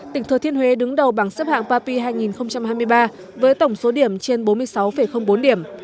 tỉnh thừa thiên huế đứng đầu bảng xếp hạng papi hai nghìn hai mươi ba với tổng số điểm trên bốn mươi sáu bốn điểm